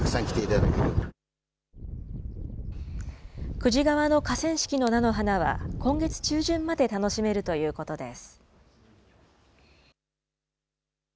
久慈川の河川敷の菜の花は、今月中旬まで楽しめるということです。